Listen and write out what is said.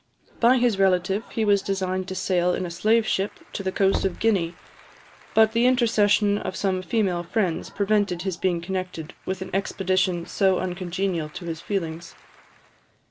By his relative he was designed to sail in a slave ship to the coast of Guinea; but the intercession of some female friends prevented his being connected with an expedition so uncongenial to his feelings.